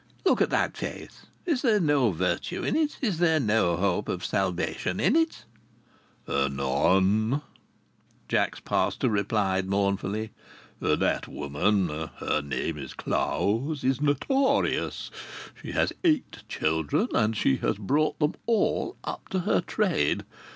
"Look at that face! Is there no virtue in it? Is there no hope for salvation in it?" "None," Jock's pastor replied mournfully. "That woman her name is Clowes is notorious. She has eight children, and she has brought them all up to her trade.